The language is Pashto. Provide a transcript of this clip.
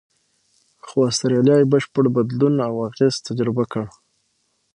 خو استرالیا یې بشپړ بدلون او اغېز تجربه کړ.